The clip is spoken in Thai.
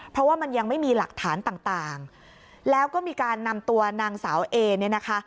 เพราะว่ามันยังไม่มีหลักฐานต่างแล้วก็มีการนำตัวนางสาวเอเนี่ยนะคะ